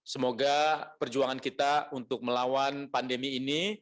semoga perjuangan kita untuk melawan pandemi ini